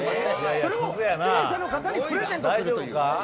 それを視聴者の方にプレゼントすると。